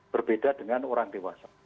berbeda dengan orang dewasa